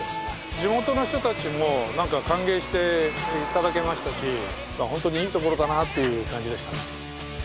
地元の人たちもなんか歓迎していただけましたしホントにいいところだなっていう感じでしたね。